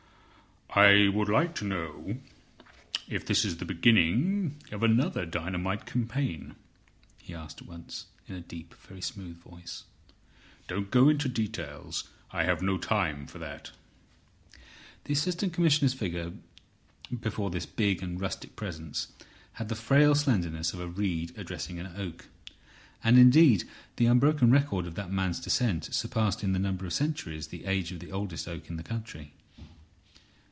"I would like to know if this is the beginning of another dynamite campaign," he asked at once in a deep, very smooth voice. "Don't go into details. I have no time for that." The Assistant Commissioner's figure before this big and rustic Presence had the frail slenderness of a reed addressing an oak. And indeed the unbroken record of that man's descent surpassed in the number of centuries the age of the oldest oak in the country.